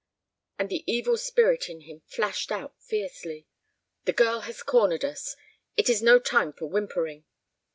And the evil spirit in him flashed out fiercely. "The girl has cornered us. It is no time for whimpering."